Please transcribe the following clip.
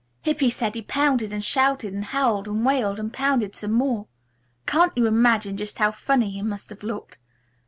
Hippy said he pounded and shouted and howled and wailed and pounded some more. Can't you imagine just how funny he must have looked?